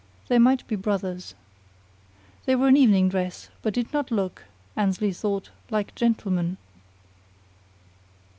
They might be brothers. They were in evening dress, but did not look, Annesley thought, like gentlemen.